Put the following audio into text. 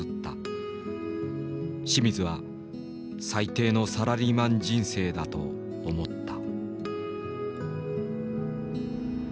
清水は最低のサラリーマン人生だと思った。